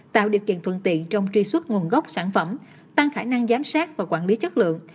tạo điều kiện thuận tiện trong truy xuất nguồn gốc sản phẩm tăng khả năng giám sát và quản lý chất lượng